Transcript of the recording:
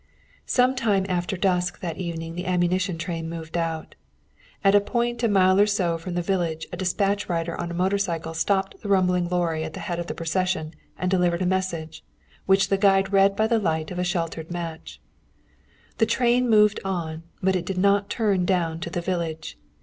Sometime after dusk that evening the ammunition train moved out. At a point a mile or so from the village a dispatch rider on a motor cycle stopped the rumbling lorry at the head of the procession and delivered a message, which the guide read by the light of a sheltered match. The train moved on, but it did not turn down to the village.